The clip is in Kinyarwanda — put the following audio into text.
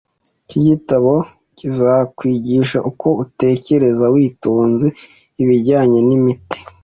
Iki gitabo kizakwigisha uko utekereza witonze ibijyanye n'imiti,